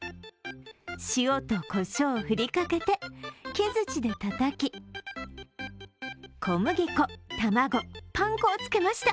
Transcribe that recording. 塩と、こしょうを振りかけて木づちでたたき小麦粉、卵、パン粉をつけました。